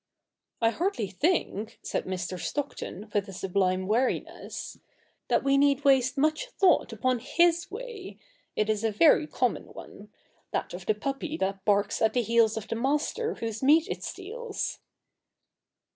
' 1 hardly think,' said Mr. Stockton with a sublime weariness, ' that we need waste much thought upon his way. It is a very common one — that of the puppy that barks at the heels of the master whose meat it steals.'